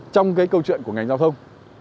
trong cái câu chuyện của ngành giao thông